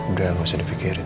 udah gak usah dipikirin